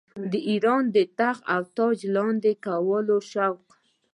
د اېران د تخت و تاج لاندي کولو شوق.